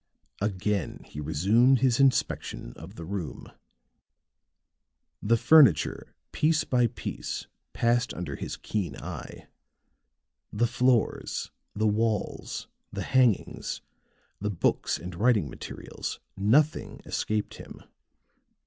Again he resumed his inspection of the room. The furniture, piece by piece, passed under his keen eye; the floor, the walls, the hangings, the books and writing materials nothing escaped him.